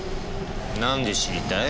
なんで知りたい？